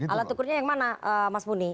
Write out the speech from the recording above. alat ukurnya yang mana mas muni